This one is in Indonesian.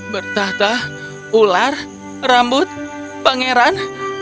bertahta ular rambut pangeran